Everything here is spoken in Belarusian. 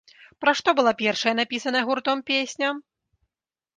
Пра што была першая напісаная гуртом песня?